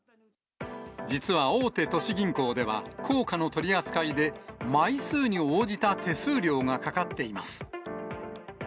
実は大手都市銀行では、硬貨の取り扱いで、枚数に応じた手数料がかかっています。